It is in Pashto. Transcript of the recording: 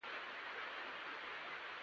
د درې ورځو لپاره يې جواز لري.